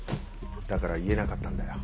だから言えなかったんだよ。